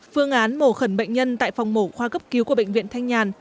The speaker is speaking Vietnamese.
phương án mổ khẩn bệnh nhân tại phòng mổ khoa cấp cứu của bệnh viện thanh nhàn